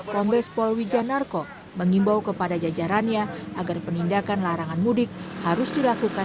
rombes polwija narko mengimbau kepada jajarannya agar penindakan larangan mudik harus dilakukan